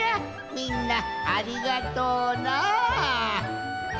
みんなありがとうな。